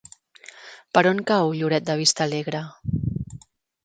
Per on cau Lloret de Vistalegre?